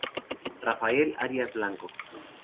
Rafael Arias Blanco.